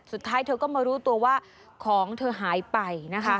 สุดท้ายเธอก็มารู้ตัวว่าของเธอหายไปนะคะ